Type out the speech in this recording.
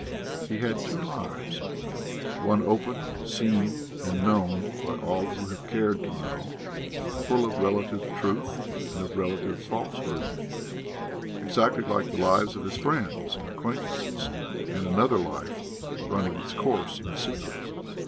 He had two lives: one, open, seen and known by all who cared to know, full of relative truth and of relative falsehood, exactly like the lives of his friends and acquaintances; and another life running its course in secret.